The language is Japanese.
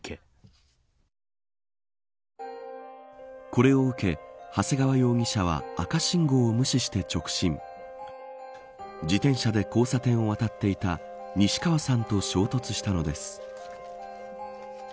これを受け長谷川容疑者は赤信号を無視して直進自転車で交差点を渡っていた西川さんと衝突したのです。